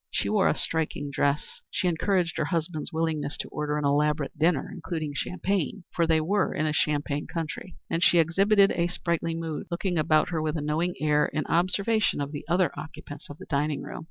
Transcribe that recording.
She wore a striking dress; she encouraged her husband's willingness to order an elaborate dinner, including champagne (for they were in a champagne country), and she exhibited a sprightly mood, looking about her with a knowing air in observation of the other occupants of the dining room.